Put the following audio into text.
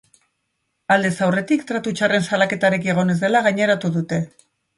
Aldez aurretik tratu txarren salaketarik egon ez dela gaineratu dute.